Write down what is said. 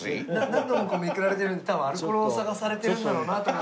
何度もめくられているので多分アルコールを探されてるんだろうなと思って。